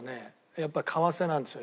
やっぱり為替なんですよ